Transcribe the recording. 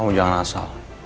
kamu jangan asal